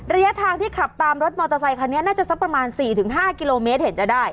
ระยะทางที่ขับตามรถมอเตอร์ไซคันนี้น่าจะสักประมาณ๔๕กิโลเมตรเห็นจะได้